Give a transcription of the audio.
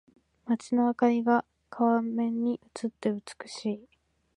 街の灯りが川面に映って美しい。